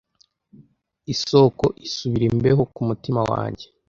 isoko isubira imbeho kumutima wanjye